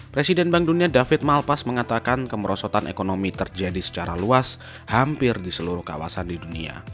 presiden bank dunia david malpas mengatakan kemerosotan ekonomi terjadi secara luas hampir di seluruh kawasan di dunia